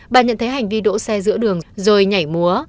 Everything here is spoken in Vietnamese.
bà nhận thấy hành vi đỗ xe giữa đường rồi nhảy múa